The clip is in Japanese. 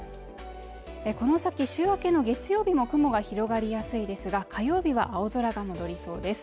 この先週明けの月曜日も雲が広がりやすいですが火曜日は青空が戻りそうです